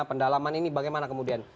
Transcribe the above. pendalaman ini bagaimana kemudian